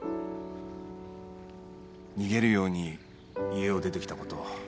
逃げるように家を出てきたこと